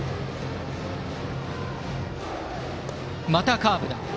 またカーブだ。